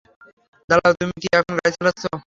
দাঁড়াও, তুমি কি এখন গাড়ি চালাচ্ছো?